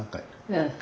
うん。